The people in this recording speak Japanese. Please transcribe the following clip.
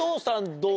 どう？